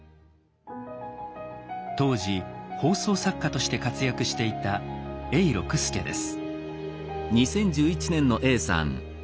当時放送作家として活躍していた永六輔です。